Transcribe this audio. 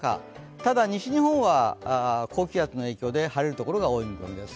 ただ西日本は高気圧の影響で晴れるところが多い見込みです。